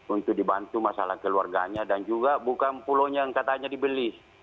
untuk dibantu masalah keluarganya dan juga bukan pulau yang katanya dibeli